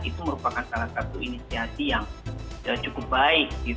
itu merupakan salah satu inisiasi yang cukup baik